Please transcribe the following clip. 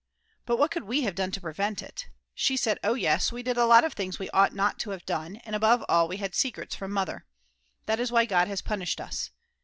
_ But what could we have done to prevent it? She said, Oh, yes, we did a lot of things we ought not to have done, and above all we had secrets from Mother. That is why God has punished us.